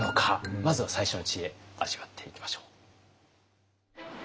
まずは最初の知恵味わっていきましょう。